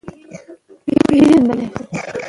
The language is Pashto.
افغانستان د سرحدونه له امله شهرت لري.